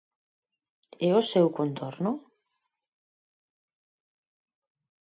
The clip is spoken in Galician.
E o seu contorno?